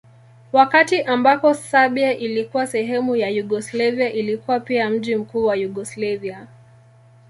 Wakati ambako Serbia ilikuwa sehemu ya Yugoslavia ilikuwa pia mji mkuu wa Yugoslavia.